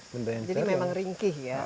jadi memang ringkih ya